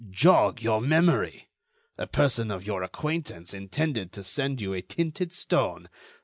Jog your memory! A person of your acquaintance intended to send you a tinted stone....